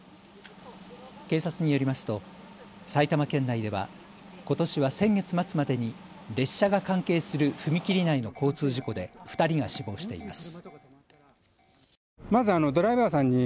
警察によりますと埼玉県内ではことしは先月末までに列車が関係する踏切内の交通事故で２人が死亡しています。